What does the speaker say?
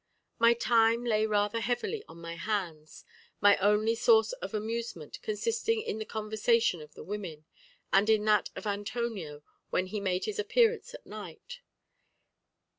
My time lay rather heavily on my hands, my only source of amusement consisting in the conversation of the women, and in that of Antonio when he made his appearance at night.